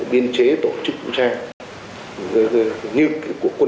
biên chế tổ chức vũ trang